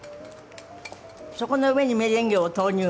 そこの上にメレンゲを投入。